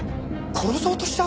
殺そうとした？